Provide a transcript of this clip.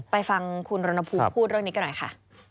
ฟังคุณรณภูมิพูดเรื่องนี้กันหน่อยค่ะ